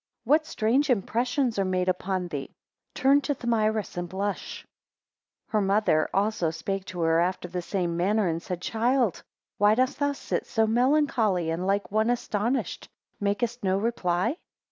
What strange impressions are made upon thee? Turn to Thamyris, and blush. 10 Her mother also spake to her after the same manner, and said, Child, why dost thou sit so melancholy, and, like one astonished, makest no reply?